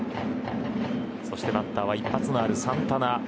そして、バッターは一発のあるサンタナ。